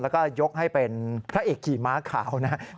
แล้วก็ยกให้เป็นพระเอกขี่ม้าขาวนะครับ